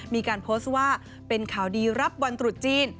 มีการโพสต์ว่าเป็นข่าวดีรับวันตรุษจีน